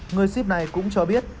người ship này cũng cho biết